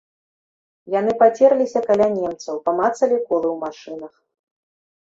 Яны пацерліся каля немцаў, памацалі колы ў машынах.